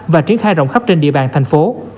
và triển khai rộng khắp trên địa bàn thành phố